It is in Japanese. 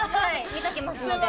見ときますので。